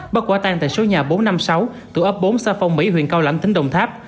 bắt quả tan tại số nhà bốn trăm năm mươi sáu tủ ấp bốn xa phong mỹ huyện cao lãnh tính đồng tháp